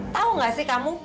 tau gak sih kamu